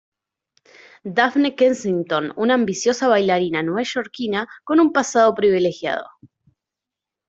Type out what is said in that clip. Daphne Kensington, una ambiciosa bailarina neoyorquina con un pasado privilegiado.